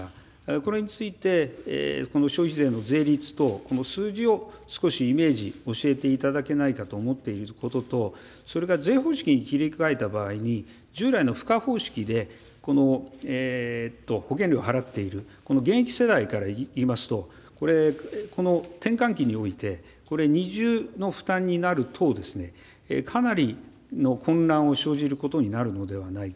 これについて、この消費税の税率と、この数字を少しイメージ、教えていただけないかと思っていることと、それから税方式に切り替えた場合に、従来の賦課方式で、保険料を払っている、この現役世代からいいますと、この転換期において、これ、二重の負担になる等、かなりの混乱を生じることになるのではないか。